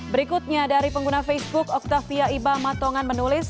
berikutnya dari pengguna facebook octavia ibah matongan menulis